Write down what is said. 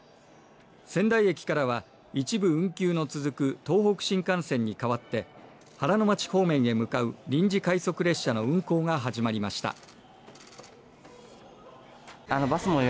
仙台駅からは一部運休の続く東北新幹線に代わって原ノ町方面へ向かう臨時快速列車の運行が始まりました。